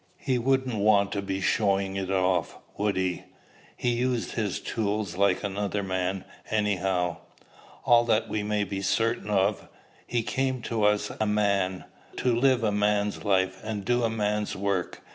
He wouldn't want to be showing of it off would he? He'd use his tools like another man, anyhow." "All that we may be certain of. He came to us a man, to live a man's life, and do a man's work.